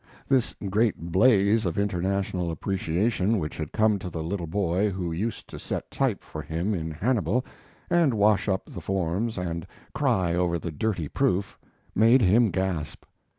This great blaze of international appreciation which had come to the little boy who used to set type for him in Hannibal, and wash up the forms and cry over the dirty proof, made him gasp.